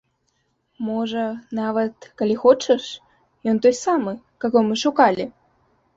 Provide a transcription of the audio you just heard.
Можа, нават, калі хочаш, ён той самы, каго мы шукалі?